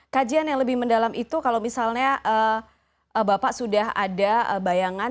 kajian yang lebih mendalam itu kalau misalnya bapak sudah ada bayangan